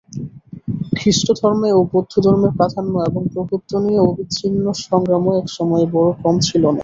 খ্রীষ্টধর্মে ও বৌদ্ধধর্মে প্রাধান্য এবং প্রভুত্ব নিয়ে অবিচ্ছিন্ন সংগ্রামও একসময়ে বড় কম ছিল না।